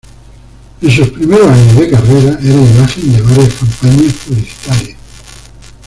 En sus primeros años de carrera era imagen de varias campañas publicitarias.